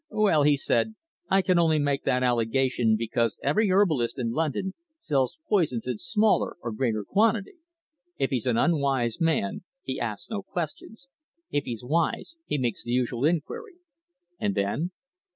"Well," he said, "I only make that allegation because every herbalist in London sells poisons in smaller or greater quantity. If he's an unwise man, he asks no questions. If he's wise, he makes the usual inquiry." "And then?"